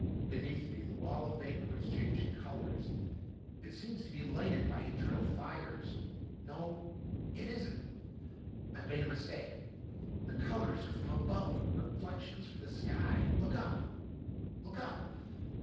"Beneath me the wall of vapor is changing colors. It seems to be lighted by internal fires. No, it isn't. I have made a mistake. The colors are from above, reflections from the sky. "Look up! Look up!